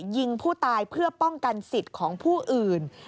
ยิงผู้ตายเพื่อป้องกันสิทธิ์ของผู้อื่น